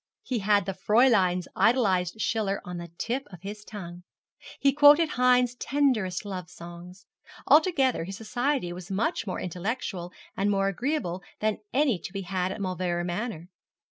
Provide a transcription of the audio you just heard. He had the Fräulein's idolized Schiller on the tip of his tongue. He quoted Heine's tenderest love songs. Altogether his society was much more intellectual and more agreeable than any to be had at Mauleverer Manor.